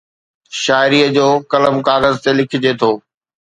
شاعري جو قلم ڪاغذ تي لکجي ٿو